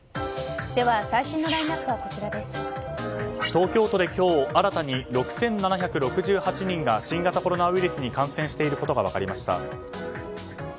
東京都で今日新たに６７６８人が新型コロナウイルスに感染していることが分かりました。